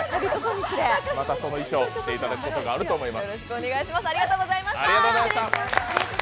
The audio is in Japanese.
また、その衣装着ていただくことあるかと思います。